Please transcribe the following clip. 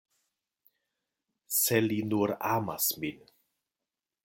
Se li nur amas min.